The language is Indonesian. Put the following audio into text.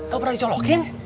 kau pernah dicolokin